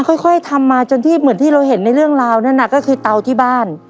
ค่อยทำมาจนที่เหมือนที่เราเห็นในเรื่องราวนั่นน่ะก็คือเตาที่บ้าน